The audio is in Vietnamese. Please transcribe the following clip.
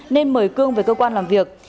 nên mời cương về cơ quan làm việc